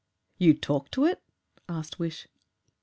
"You talked to it?" asked Wish.